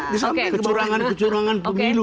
disamping kecurangan kecurangan pemilu